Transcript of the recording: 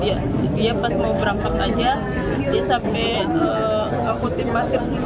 dia pas mau berangkat aja dia sampai ngakutin pasir